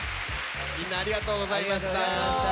みんなありがとうございました。